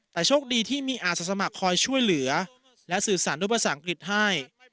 แต่โชคดีที่มีอาสาสมัครคอยช่วยเหลือและสื่อสารด้วยภาษาอังกฤษให้